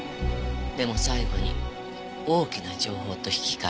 でも最後に大きな情報と引き換えにね。